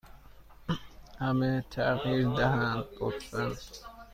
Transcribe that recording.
همه تغییر دهند، لطفا.